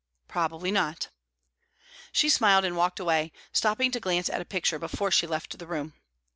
"Probably not." She smiled, and walked away, stopping to glance at a picture before she left the room.